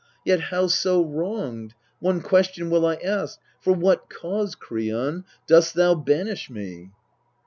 Yet, howso wronged, one question will 1 ask For what cause, Kreon, dost thou banish me?